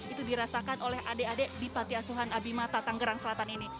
itu dirasakan oleh adik adik di panti asuhan abimata tanggerang selatan ini